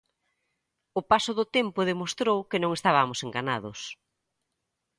O paso do tempo demostrou que non estabamos enganados.